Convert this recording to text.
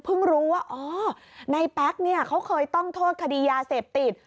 เพิ่งรู้ว่าอ๋อในแป๊กเขาเคยต้องโทษคดียาเสพติด